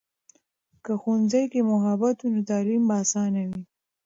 که ښوونځي کې محبت وي، نو تعلیم به آسانه وي.